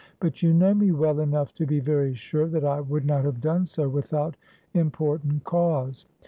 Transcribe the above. But you know me well enough to be very sure that I would not have done so without important cause.